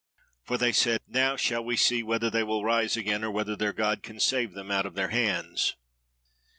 For they said, Now shall we see whether they will rise again, and whether their God can save them out of our hands."